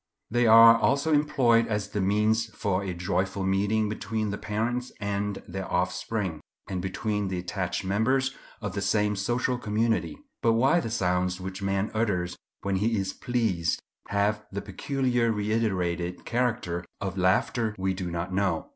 They are also employed as the means for a joyful meeting between the parents and their offspring, and between the attached members of the same social community. But why the sounds which man utters when he is pleased have the peculiar reiterated character of laughter we do not know.